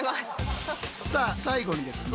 さあ最後にですね